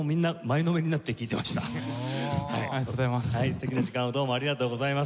素敵な時間をどうもありがとうございます。